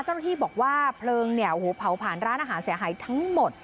เจ้าหน้าที่บอกว่าเพลิงเนี่ยโอ้โหเผาผ่านร้านอาหารเสียหายทั้งหมด